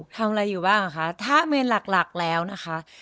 ทำอะไรอยู่บ้างคะถ้าเมนหลักแล้วนะคะ